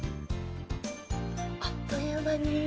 あっという間に。